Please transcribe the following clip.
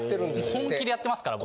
本気でやってますから僕。